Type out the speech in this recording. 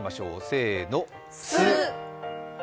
せーの、酢！